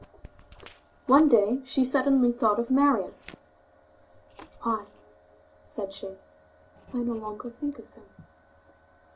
One day she suddenly thought of Marius: "Why!" said she, "I no longer think of him."